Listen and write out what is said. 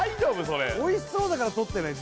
それおいしそうだから取ってない？